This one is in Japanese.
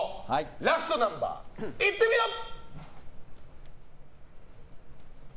ラストナンバー、いってみよう！